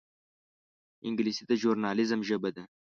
انګلیسي د ژورنالېزم ژبه ده